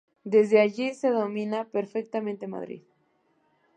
Desde allí se domina perfectamente Madrid.